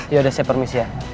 yaudah saya permisi ya